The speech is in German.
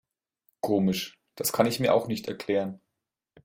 Komisch, das kann ich mir auch nicht erklären.